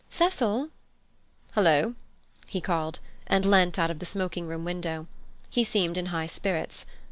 "Cecil!" "Hullo!" he called, and leant out of the smoking room window. He seemed in high spirits.